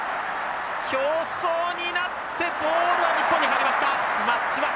競走になってボールは日本に入りました松島。